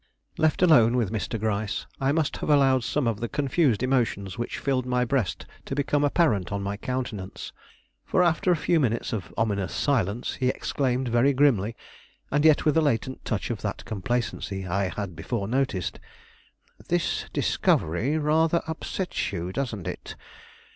Left alone with Mr. Gryce, I must have allowed some of the confused emotions which filled my breast to become apparent on my countenance; for after a few minutes of ominous silence, he exclaimed very grimly, and yet with a latent touch of that complacency I had before noticed: "This discovery rather upsets you, doesn't it?